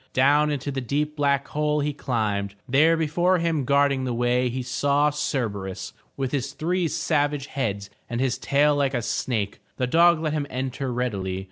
Down into the deep black hole he climbed. There before him guarding the way, he saw Cerberus with his three savage heads and his tail like a snake. The dog let him enter readily.